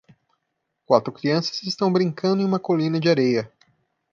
Quatro crianças estão brincando em uma colina de areia.